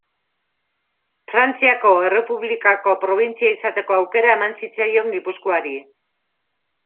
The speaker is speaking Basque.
Frantziako Errepublikako probintzia izateko aukera eman zitzaion Gipuzkoari.